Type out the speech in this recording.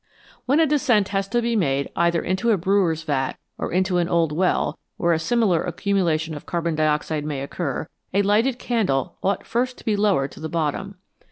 When a descent has to be made either into a brewer's vat, or into an old well, where a similar accumu lation of carbon dioxide may occur, a lighted candle ought first to be lowered to the bottom.